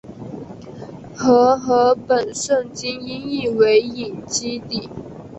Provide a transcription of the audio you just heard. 和合本圣经音译为隐基底。